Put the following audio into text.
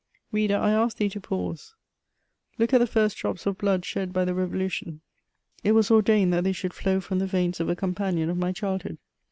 Reader, I ask thee to pause : look at the first drops of blood shed by the Revolution. It was ordained that they should flow from tne veins of a companion of my childhood.